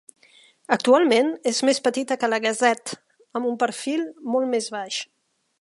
Actualment és més petita que la Gazette, amb un perfil molt més baix.